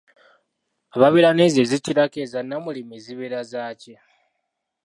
Ababeera n'ezo ezikirako eza Nnamulimi ziba zaaki ?